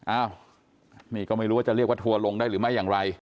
อ้าวนี่ก็ไม่รู้ว่าจะเรียกว่าทัวร์ลงได้หรือไม่อย่างไร